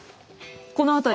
この辺り。